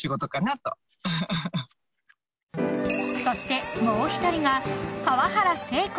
［そしてもう一人が］